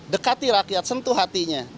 dekati rakyat sentuh hatinya